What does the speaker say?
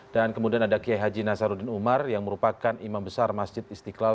dan kemudian ada kiai haji nasarudin umar yang merupakan imam besar masjid istiqlal